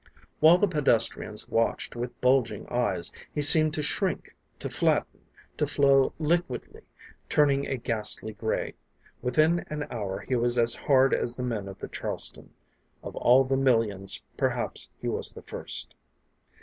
While the pedestrians watched with bulging eyes, he seemed to shrink, to flatten, to flow liquidly, turning a ghastly gray. Within an hour he was as hard as the men of the Charleston. Of all the millions, perhaps he was the first.